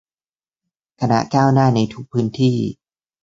คณะก้าวหน้า ในทุกพื้นที่